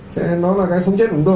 thế nó là cái sống chết của chúng tôi